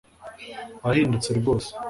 Wahindutse rwose